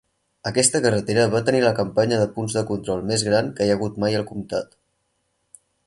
Aquesta carretera va tenir la campanya de punts de control més gran que hi ha hagut mai al comtat.